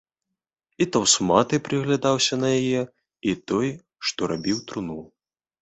І таўсматы прыглядаўся на яе, і той, што рабіў труну.